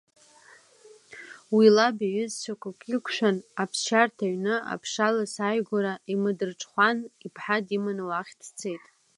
Уи лаб иҩызцәақәак иқәшәан аԥсшьарҭа ҩны Аԥша-лас ааигәара имадырҽхәан, иԥҳа диманы уахь дцеит.